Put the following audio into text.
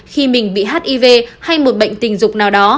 khi mình bị hiv hay một bệnh tình dục nào đó